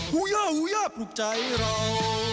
ฮุย่าฮุย่าภูมิใจเรา